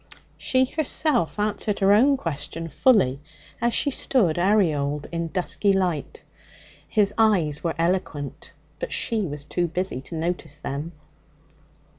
She herself answered her own question fully as she stood aureoled in dusky light. His eyes were eloquent, but she was too busy to notice them.